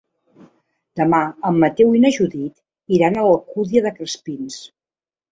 Demà en Mateu i na Judit iran a l'Alcúdia de Crespins.